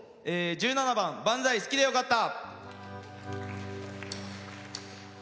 １７番「バンザイ好きでよかった」。